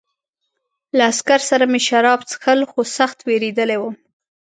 له عسکر سره مې شراب څښل خو سخت وېرېدلی وم